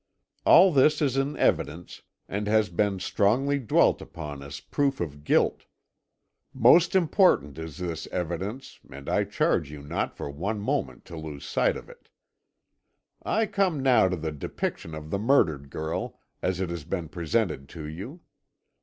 All this is in evidence, and has been strongly dwelt upon as proof of guilt. Most important is this evidence, and I charge you not for one moment to lose sight of it. "I come now to the depiction of the murdered girl, as it has been presented to you.